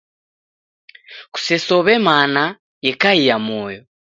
Kusesow'e mana yekaia moyo.